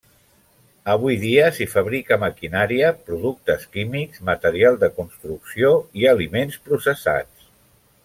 Avui dia s'hi fabrica maquinària, productes químics, material de construcció i aliments processats.